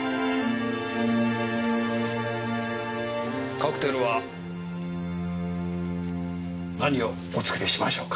カクテルは何をお作りしましょうか？